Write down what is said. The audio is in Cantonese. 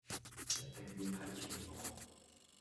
一定會睇住我